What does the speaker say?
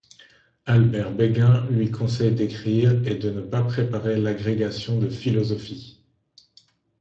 Albert Béguin lui conseille d’écrire et de ne pas préparer l’agrégation de philosophie.